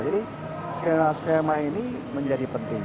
jadi skema skema ini menjadi penting